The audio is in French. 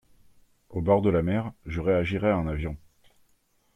Au bord de la mer, je réagirai à un avion.